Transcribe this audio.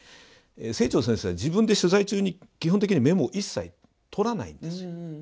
清張先生は自分で取材中に基本的にはメモ一切とらないんですよ。